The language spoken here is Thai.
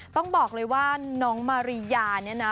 ต้องบอกเลยว่าน้องมาริยาเนี่ยนะ